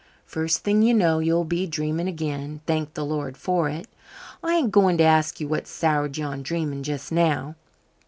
First thing you know you'll be dreaming again thank the Lord for it. I ain't going to ask you what's soured you on dreaming just now.